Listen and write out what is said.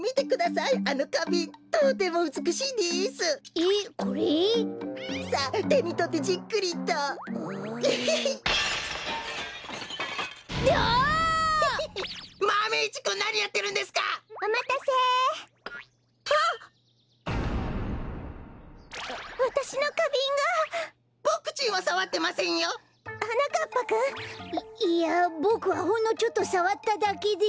いいやボクはほんのちょっとさわっただけで。